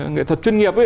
nghệ thuật chuyên nghiệp